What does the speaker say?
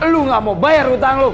lu gak mau bayar utang lo